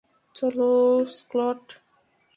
চলো, স্কট!